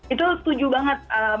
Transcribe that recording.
itu setuju banget